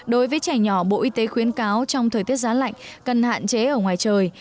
đối với trẻ nhỏ bộ y tế khuyến cáo trong thời tiết giá lạnh cần hạn chế ở ngoài trời